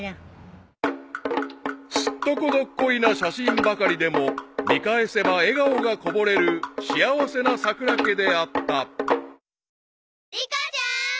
［すっとこどっこいな写真ばかりでも見返せば笑顔がこぼれる幸せなさくら家であった］